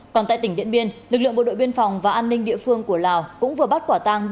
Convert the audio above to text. còn tại tỉnh điện biên lực lượng bộ đội biên phòng và an ninh địa phương của lào cũng vừa bắt quả tăng